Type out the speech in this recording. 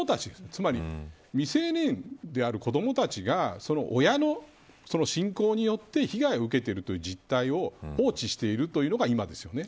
つまり未成年である子どもたちがその親の信仰によって被害を受けているという実態を放置しているというのが今ですよね。